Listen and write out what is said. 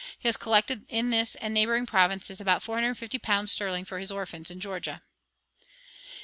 He has collected in this and the neighboring provinces about four hundred and fifty pounds sterling for his orphans in Georgia."